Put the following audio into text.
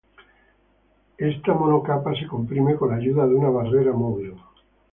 Esta monocapa se comprime con la ayuda de una barrera móvil.